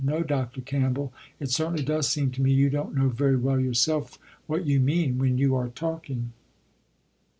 No, Dr. Campbell, it certainly does seem to me you don't know very well yourself, what you mean, when you are talking."